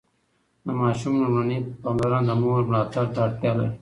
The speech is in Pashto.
د ماشوم لومړني پاملرنه د مور ملاتړ ته اړتیا لري.